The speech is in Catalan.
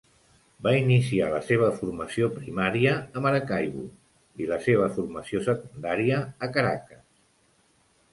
Va iniciar la seva formació primària a Maracaibo, i la seva formació secundària a Caracas.